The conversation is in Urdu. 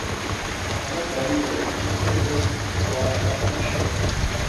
حمد باری کو اٹھے دست دعا آخر شب